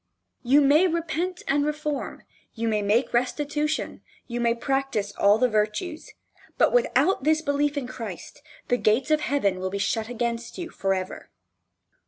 You may repent and reform, you may make restitution, you may practice all the virtues, but without this belief in Christ, the gates of heaven will be shut against you forever.